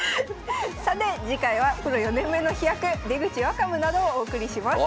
さて次回は「プロ４年目の飛躍出口若武」などをお送りします。